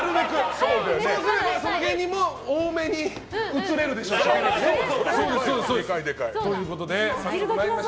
そうすればその芸人も多めに映れるでしょうし。